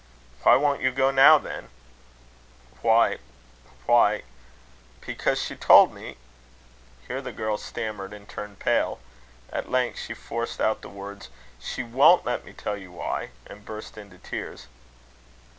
"Why won't you go now, then?" "Why why because she told me " Here the girl stammered and turned pale. At length she forced out the words "She won't let me tell you why," and burst into tears.